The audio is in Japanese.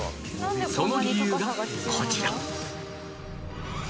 その理由がこちら